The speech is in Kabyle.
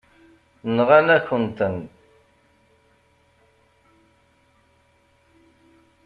Nɣan-akent-ten.